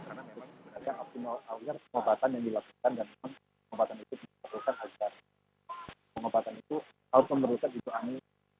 karena memang sebenarnya optimal alihnya pengobatan yang dilakukan dan memang pengobatan itu diperlukan agar pengobatan itu harus memberikan ibu ani